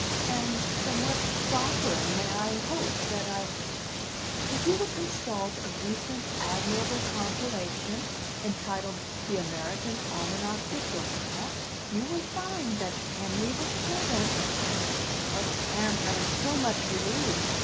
"And from what sovereign may I hope that I ?" "If you will consult a recent admirable compilation, entitled The American Almanach de Gotha, you will find that Henry the Seventh " "Aunt, I am so much relieved!